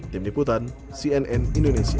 tim diputan cnn indonesia